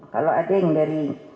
kalau ada yang dari